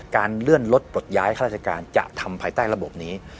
การเลื่อนรถปลดย้ายข้าราชการจะทำภายใต้ระบบนี้